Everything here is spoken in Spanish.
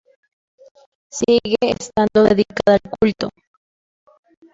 Sigue estando dedicada al culto.